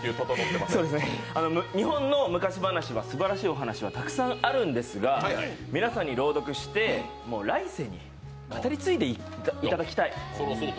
日本の昔話はすばらしいお話はたくさんあるんですが皆さんに朗読して、来世に語り継いでいただきたい。